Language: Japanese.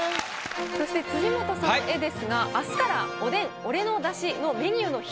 そして辻元さんの絵ですが明日から「おでん俺のだし」のメニューの表紙になります。